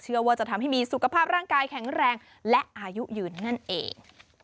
เชื่อว่าจะทำให้มีสุขภาพร่างกายแข็งแรงและอายุยืนนั่นเอง